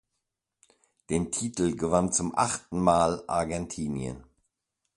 Den Titel gewann zum achten Mal Argentinien.